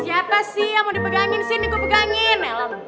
siapa sih yang mau dipegangin sini gue pegangin